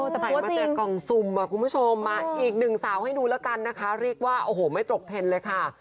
ใส่มาแต่กล่องซุ่มอ่ะคุณผู้ชมมาอีกหนึ่งสาวให้ดูแล้วกันนะคะเรียกว่าโอ้โหไม่ตกเทรนด์เลยค่ะ